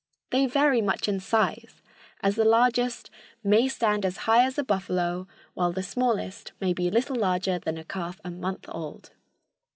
They vary much in size, as the largest "may stand as high as a buffalo, while the smallest may be little larger than a calf a month old."